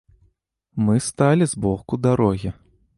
Мы сталі з боку дарогі.